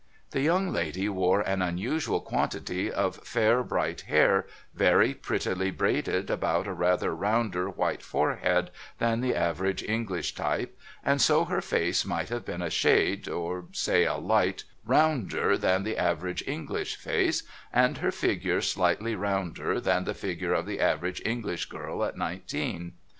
The young lady wore an unusual quantity of fair bright hair, very prettily braided about a rather rounder white forehead than the average English type, and so her face might have been a shade — or say a light rounder than the average English face, and her figure slightly rounder than the figure of the average English girl at nineteen.